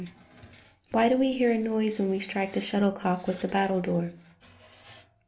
] 837. _Why do we hear a noise when we strike the shuttlecock with the battledore?